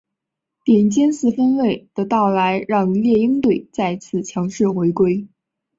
顶尖四分卫的到来让猎鹰队再次强势回归。